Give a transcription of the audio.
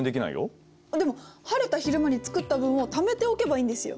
でも晴れた昼間に作った分をためておけばいいんですよ。